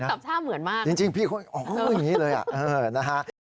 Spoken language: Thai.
อะไรนะจริงพี่ค่อยอ๋ออย่างนี้เลยนะฮะ